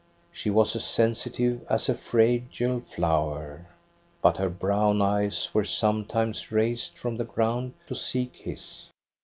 She was as sensi tive as a fragile flower. But her brown eyes were sometimes raised from the ground to seek his.